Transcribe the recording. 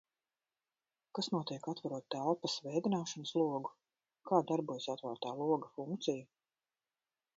Kas notiek, atverot telpas vēdināšanas logu? Kā darbojas “atvērtā loga” funkcija?